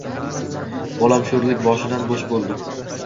Bolam sho‘rlik boshidan bo‘sh bo‘ldi